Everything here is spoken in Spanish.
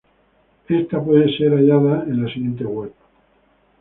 Esta puede ser hallada en la siguiente web.